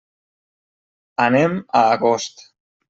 Anem a Agost.